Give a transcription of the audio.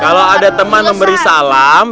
kalau ada teman memberi salam